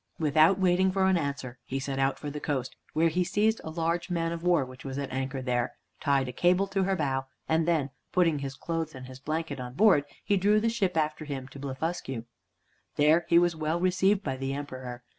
Without waiting for an answer, he set out for the coast, where he seized a large man of war which was at anchor there, tied a cable to her bow, and then putting his clothes and his blanket on board, he drew the ship after him to Blefuscu. There he was well received by the Emperor.